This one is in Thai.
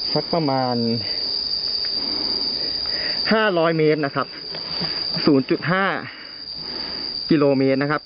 สักประมาณ๕๐๐เมตรนะครับ๐๕กิโลเมตรนะครับ